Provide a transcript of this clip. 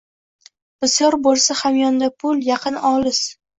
Bisyor boʼlsa hamyonda pul — yaqin olis.